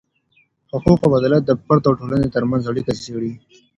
حقوق او عدالت د فرد او ټولني ترمنځ اړیکه څیړې.